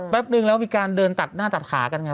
นึงแล้วมีการเดินตัดหน้าตัดขากันไง